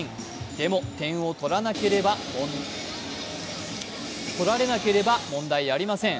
でも点を取られなければ問題ありません。